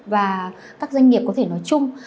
và các doanh nghiệp có thể nói chung